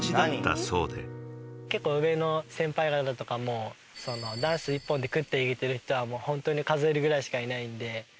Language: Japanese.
結構上の先輩方とかもダンス一本で食っていけてる人はホントに数えるぐらいしかいないんで。